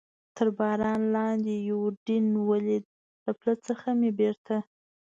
تر باران لاندې یوډین ولید، له پله څخه مې بېرته.